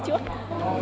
đúng không ạ